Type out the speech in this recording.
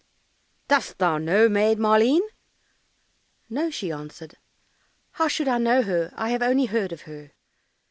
"Dost thou know Maid Maleen?" "No," she answered, "how should I know her; I have only heard of her."